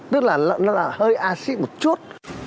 tức là nó là hơi acid một chút